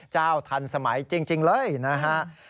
ทันสมัยจริงเลยนะฮะ